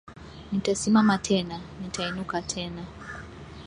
Nitasimama tena, nitainuka tena